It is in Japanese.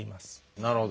なるほど。